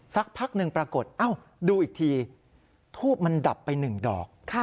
สักพักหนึ่งปรากฏดูอีกทีทูบมันดับไป๑ดอก